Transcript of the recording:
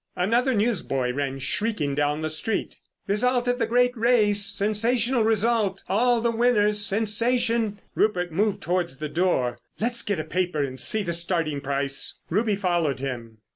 Another newsboy ran shrieking down the street. "Result of the great race. Sensational result! All the winners—Sensation——" Rupert moved towards the door. "Let's get a paper and see the starting price." Ruby followed him.